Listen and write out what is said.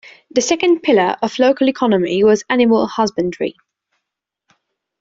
The second pillar of local economy was animal husbandry.